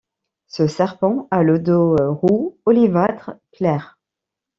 Ce serpent a le dos roux olivâtre clair.